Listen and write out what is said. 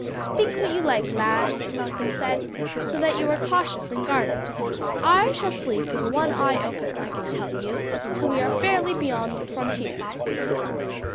"Think what you like, lad," Malcolm said, "so that you are cautious and guarded. I shall sleep with one eye open, I can tell you, till we are fairly beyond the frontier."